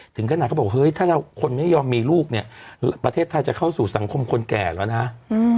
ถึงขนาดเขาบอกเฮ้ยถ้าเราคนไม่ยอมมีลูกเนี่ยประเทศไทยจะเข้าสู่สังคมคนแก่แล้วนะอืม